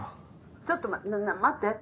ちょっと待って待って。